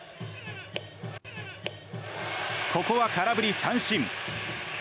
ここは空振り三振。